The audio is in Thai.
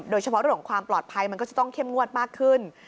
โดยเฉพาะเรื่องของความปลอดภัยมันก็จะต้องเข้มงวดมากขึ้น